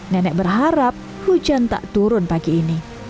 nenek berharap hujan tak turun pagi ini